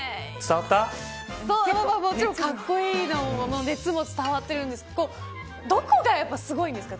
格好いいのも、熱も伝わってるんですけどどこが、すごいんですか。